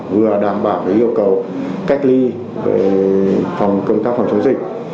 vừa đảm bảo yêu cầu cách ly về phòng công tác phòng chống dịch